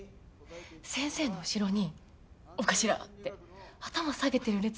先生の後ろに「お頭！」って頭下げてる列見えてこない？